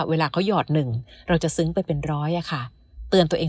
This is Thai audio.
เวลาเขาหยอดหนึ่งเราจะซึ้งไปเป็นร้อยอะค่ะเตือนตัวเอง